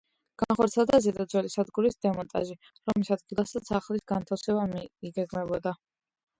განხორციელდა ზედა ძველი სადგურის დემონტაჟი, რომლის ადგილასაც ახლის განთავსება იგეგმებოდა.